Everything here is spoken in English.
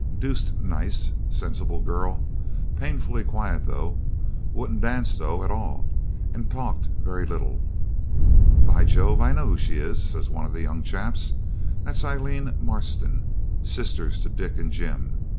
'Deuced nice, sensible girl, painfully quiet, though. Wouldn't dance, though, at all, and talked very little.' 'By Jove! I know who she is,' says one of the young chaps. 'That's Aileen Marston, sister to Dick and Jim.